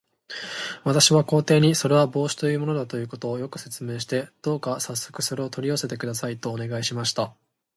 私は皇帝に、それは帽子というものだということを、よく説明して、どうかさっそくそれを取り寄せてください、とお願いしました。